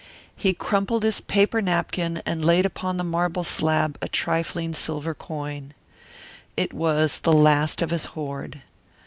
He crumpled his paper napkin and laid upon the marble slab a trifling silver coin. It was the last of his hoard.